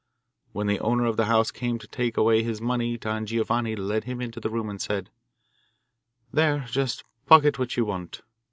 When the owner of the house came to take away his money Don Giovanni led him into the room and said: 'There, just pocket what you want.